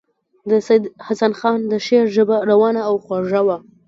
د سید حسن خان د شعر ژبه روانه او خوږه وه.